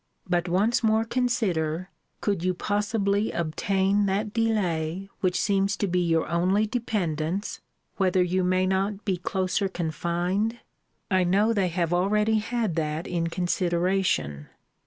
But once more, consider, could you possibly obtain that delay which seems to be your only dependence, whether you may not be closer confined? I know they have already had that in consideration.